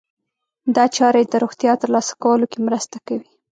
دا چاره يې د روغتیا ترلاسه کولو کې مرسته کوي.